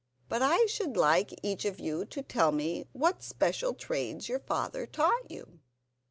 But I should like each of you to tell me what special trades your father taught you."